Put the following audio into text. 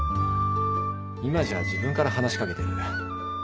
今じゃ自分から話し掛けてる。